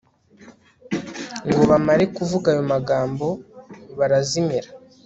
ngo bamare kuvuga ayo magambo, barazimira